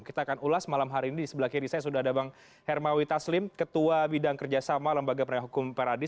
kita akan ulas malam hari ini di sebelah kiri saya sudah ada bang hermawi taslim ketua bidang kerjasama lembaga penegak hukum peradis